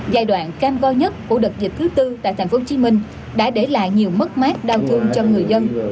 giai đoạn cam go nhất của đợt dịch thứ tư tại tp hcm đã để lại nhiều mất mát đau thương cho người dân